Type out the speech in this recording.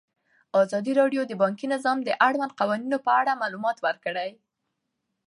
ازادي راډیو د بانکي نظام د اړونده قوانینو په اړه معلومات ورکړي.